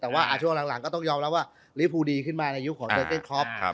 แต่ว่าช่วงหลังก็ต้องยอมแล้วว่าเรียลภูดีขึ้นมาในยุคของเจ้าเก้นครอบ